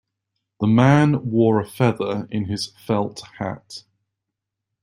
The man wore a feather in his felt hat.